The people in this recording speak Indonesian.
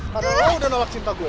karena lo udah nolak cinta gue